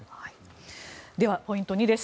では、ポイント２です。